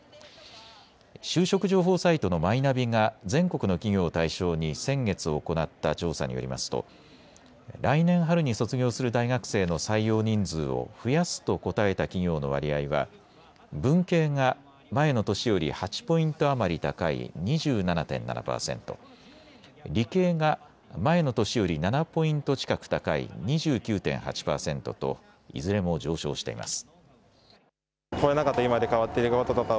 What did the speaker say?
就職情報サイトのマイナビが全国の企業を対象に先月行った調査によりますと来年春に卒業する大学生の採用人数を増やすと答えた企業の割合は文系が前の年より８ポイント余り高い２７．７％、理系が前の年より７ポイント近く高い２９．８％といずれも上昇しています。